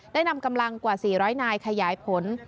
นำกำลังกว่า๔๐๐นายขยายผล